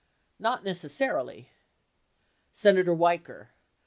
Not necessarily. Senator Weicker.